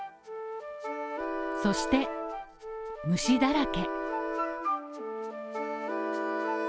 そして、虫だらけ。